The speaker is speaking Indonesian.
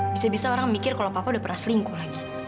bisa bisa orang mikir kalau papa udah pernah selingkuh lagi